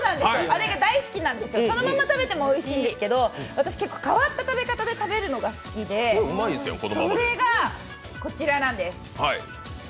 あれが大好きで、そのまま食べてもおいしいんですけど私、結構、変わった食べ方で食べるのが好きで、それがこちらです。